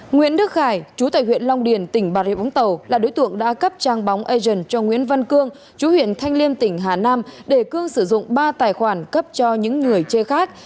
nguyễn đức khải chú tại huyện long điền tỉnh bà rịa vũng tàu là đối tượng đã cấp trang bóng agent cho nguyễn văn cương chú huyện thanh liêm tỉnh hà nam để cương sử dụng ba tài khoản cấp cho những người chê khác